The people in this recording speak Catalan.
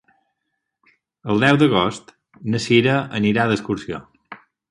El deu d'agost na Cira anirà d'excursió.